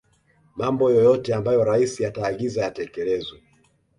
Mambo yoyote ambayo rais ataagiza yatekelezwe